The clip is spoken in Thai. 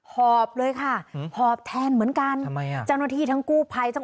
ฮอบเลยค่ะฮือฮอบแทนเหมือนกันทำไมอ่ะจังหวัดที่ทั้งกู้ไพรทั้ง